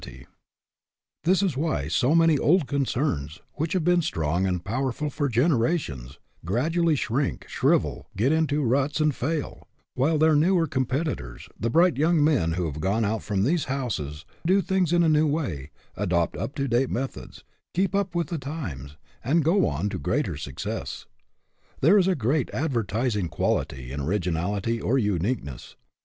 ORIGINALITY 167 This is why so many old concerns, which have been strong and powerful for genera tions, gradually shrink, shrivel, get into ruts, and fail, while their newer competitors, the bright young men who have gone out from these houses, do things in a new way, adopt up to date methods, keep up with the times, and go on to greater success. There is a great advertising quality in orig inality, or uniqueness.